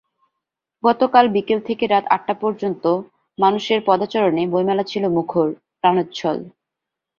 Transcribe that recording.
গতকাল বিকেল থেকে রাত আটটা পর্যন্ত মানুষের পদচারণে বইমেলা ছিল মুখর, প্রাণোচ্ছল।